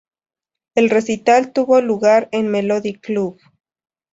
El recital tuvo lugar en Melody Club.